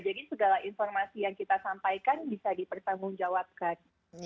jadi segala informasi yang kita sampaikan bisa dipertanggung jawabkan